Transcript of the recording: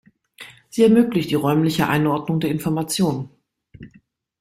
Sie ermöglicht die räumliche Einordnung der Information.